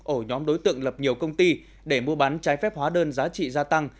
ổ nhóm đối tượng lập nhiều công ty để mua bán trái phép hóa đơn giá trị gia tăng